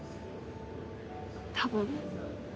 多分。